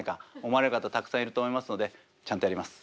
思われる方たくさんいると思いますのでちゃんとやります。